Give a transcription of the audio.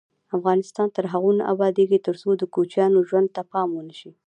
افغانستان تر هغو نه ابادیږي، ترڅو د کوچیانو ژوند ته پام ونشي.